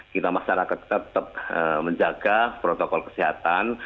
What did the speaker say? kita masyarakat tetap menjaga protokol kesehatan